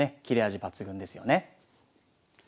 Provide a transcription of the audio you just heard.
切れ味抜群ですよね。